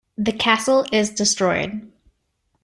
The castle is destroyed.